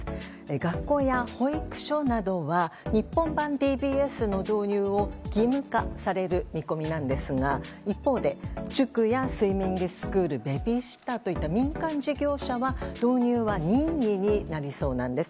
学校や保育所などは日本版ＤＢＳの導入を義務化される見込みなんですが一方で塾やスイミングスクールベビーシッターといった民間事業者は導入は任意になりそうなんです。